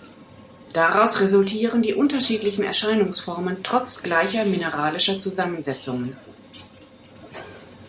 Daraus resultieren die unterschiedlichen Erscheinungsformen trotz gleicher mineralischer Zusammensetzungen.